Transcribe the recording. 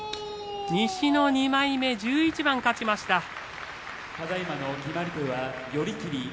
西の２枚目、１１番勝ちました。